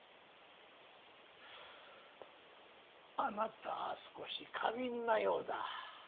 あなた少し過敏なようだ。